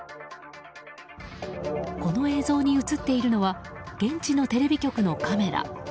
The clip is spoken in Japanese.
この映像に映っているのは現地のテレビ局のカメラ。